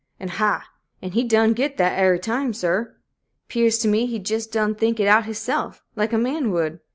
and 'haw!' and he done git thar ev'ry time, sir r! 'Pears to me, he jist done think it out to hisself, like a man would.